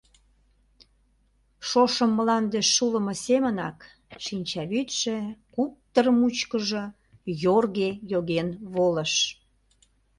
Шошым мланде шулымо семынак шинчавӱдшӧ куптыр мучкыжо йорге йоген волыш.